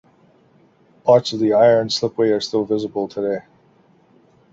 Parts of the iron slipway are still visible today.